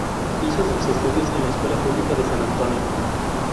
Hizo sus estudios en la Escuela Pública de San Antonio.